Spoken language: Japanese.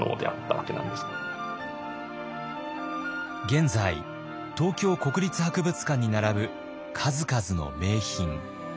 現在東京国立博物館に並ぶ数々の名品。